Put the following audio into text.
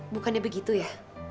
bukannya begitu ya